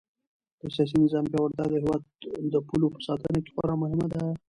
د سیاسي نظام پیاوړتیا د هېواد د پولو په ساتنه کې خورا مهمه ده.